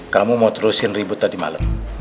kamu mau terusin ribut tadi malam